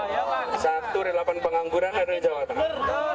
satu dari delapan pengangguran ada di jawa tengah